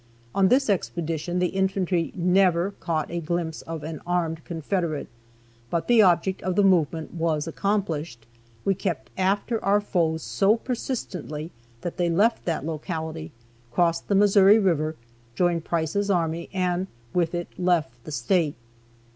On this expedition the infantry never caught a glimpse of an armed Confederate, but the object of the movement was accomplished. We kept after our foes so persistently that they left that locality, crossed the Missouri river, joined Price's army, and with it left the State.